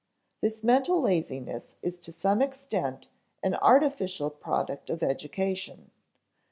This mental laziness is to some extent an artificial product of education.